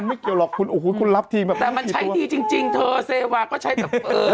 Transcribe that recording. มันไม่เกี่ยวหรอกคุณคุณรับทีแบบแต่มันใช้ดีจริงเซวาก็ใช้แบบ